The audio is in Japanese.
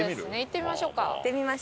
行ってみましょうか。